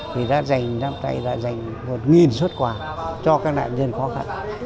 vì đã dành năm nay là dành một xuất quà cho các nạn nhân khó khăn